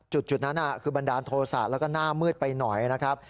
จุดนั้นคือบันดาลโทษะแล้วก็หน้ามืดไปหน่อยนะครับ